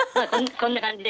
こんな感じで。